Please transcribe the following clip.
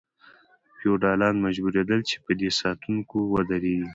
فیوډالان مجبوریدل چې په دوی ساتونکي ودروي.